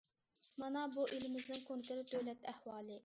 مانا بۇ ئېلىمىزنىڭ كونكرېت دۆلەت ئەھۋالى.